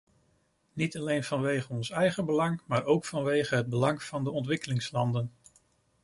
Niet alleen vanwege ons eigen belang, maar ook vanwege het belang van de ontwikkelingslanden.